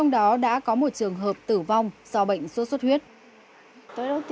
do bệnh sốt xuất huyết